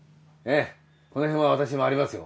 この辺は私もありますよ。